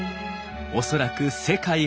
恐らく世界初。